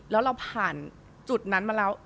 แล้วเราผ่านจุดนั้นมาแล้ว